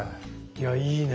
いやぁいいね！